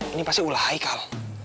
ini pasti ulah aikal